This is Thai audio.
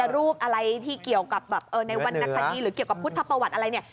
รูปอะไรที่เกี่ยวกับแบบในวรรณคดีหรือเกี่ยวกับพุทธประวัติอะไรเนี่ย